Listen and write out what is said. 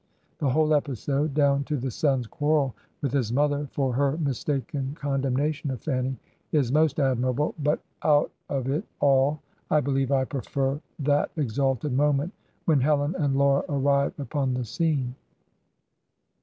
The whole episode, down to the son's quarrel with his mother for her mistaken condemnation of Fanny, is most admirable, but out of it all I believe I prefer that exalted moment when Helen and Laura arrive upon the scene.